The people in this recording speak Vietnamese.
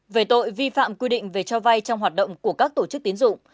về tội vi phạm quy định về cho vay trong hoạt động của các tổ chức tiến dụng